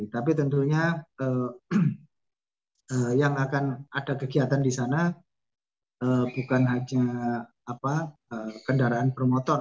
tapi tentunya yang akan ada kegiatan disana bukan saja kendaraan bermotor